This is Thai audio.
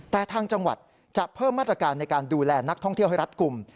แต่ทางจังหวัดจะเพิ่มมาตรการในการดูแลนักท่องเที่ยวให้รัฐกลุ่ม